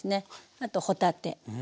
あと帆立て。